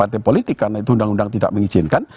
karena itu politik karena itu undang undang tidak mengizinkan